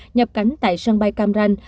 nhập cánh tại sân bay cam ranh